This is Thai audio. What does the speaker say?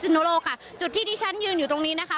ตรงถนนพิศนโลกค่ะจุดที่ที่ฉันยืนอยู่ตรงนี้นะคะ